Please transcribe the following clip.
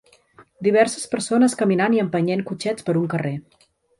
Diverses persones caminant i empenyent cotxets per un carrer.